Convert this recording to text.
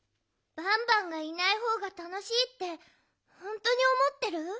バンバンがいないほうがたのしいってほんとにおもってる？